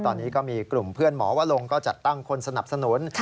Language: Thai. ตอนนี้ก็มีกลุ่มเพื่อนหมอวะลงก็จัดตั้งคนสนับสนุน